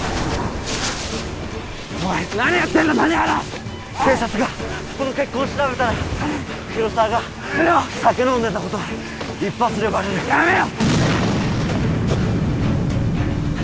おい何やってんだ谷原警察がこの血痕調べたら広沢が酒飲んでたこと一発でバレるやめろ！